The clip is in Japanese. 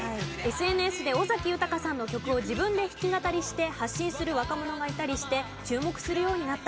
ＳＮＳで尾崎豊さんの曲を自分で弾き語りして発信する若者がいたりして注目するようになった。